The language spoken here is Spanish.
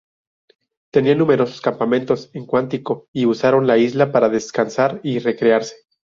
Tenían numerosos campamentos en Quantico, y usaron la isla para descansar y recrearse.